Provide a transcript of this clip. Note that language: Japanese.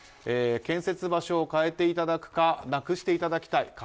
建設場所を変えていただくかなくしていただきたい。